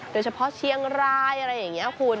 โดยเฉพาะเชียงรายอะไรอย่างนี้คุณ